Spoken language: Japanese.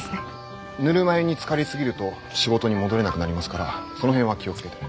ぬるま湯につかり過ぎると仕事に戻れなくなりますからその辺は気を付けて。